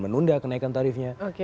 menunda kenaikan tarifnya